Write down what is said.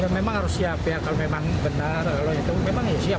memang harus siap kalau memang benar memang siap